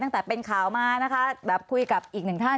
ตั้งแต่เป็นข่าวมานะคะแบบคุยกับอีกหนึ่งท่าน